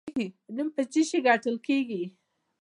نوم په څه شي ګټل کیږي؟